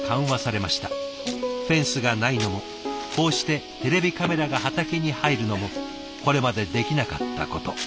フェンスがないのもこうしてテレビカメラが畑に入るのもこれまでできなかったこと。